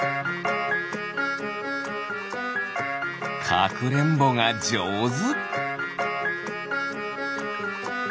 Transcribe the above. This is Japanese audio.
かくれんぼがじょうず。